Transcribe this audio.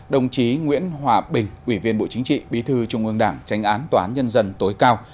đồng chí nguyễn hòa bình quỷ viên bộ chính trị bí thư trung ương đảng tránh án toán nhân dân tối cao